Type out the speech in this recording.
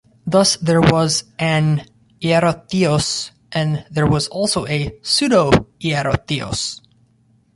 Thus there was an Hierotheos and there was also a Pseudo-Hierotheos.